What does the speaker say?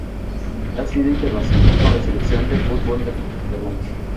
Ha sido internacional con la Selección de fútbol del Perú.